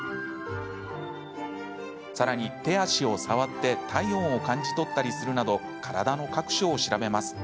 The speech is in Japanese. さらに、手足を触って体温を感じ取ったりするなど体の各所を調べます。